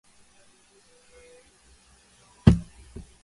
En la cultura anglosajona se tiene como figura representante del sueño a Sandman.